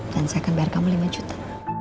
dan saya akan bayar kamu lima juta